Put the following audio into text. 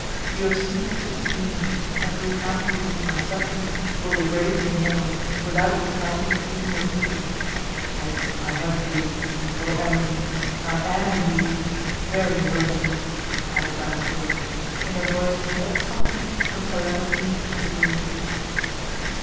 You have ceased to esteem me, and to recount to you my sufferings will degrade me more, without exciting even your pity. Yet I have been, O Emily! I am indeed very wretched!" added Valancourt, in a voice, that softened from solemnity into grief.